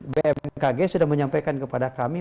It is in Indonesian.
bmkg sudah menyampaikan kepada kami